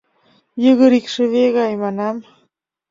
Йыгыр икшыве гай, манам.